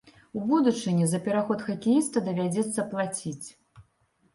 У будучыні за пераход хакеіста давядзецца плаціць.